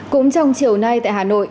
cũng trong chiều nay tại hà nội